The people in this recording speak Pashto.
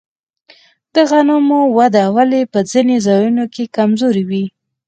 د غنمو وده ولې په ځینو ځایونو کې کمزورې وي؟